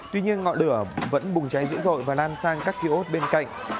tuy nhiên ngọt lửa vẫn bùng cháy dữ dội và lan sang các kia ốt bên cạnh